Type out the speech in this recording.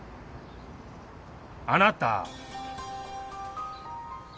あなた。